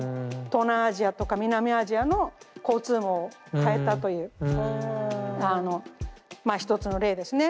東南アジアとか南アジアの交通網を変えたというまあ一つの例ですね。